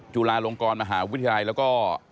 จุฬาลงกรมหาวิทยาลัยแล้วก็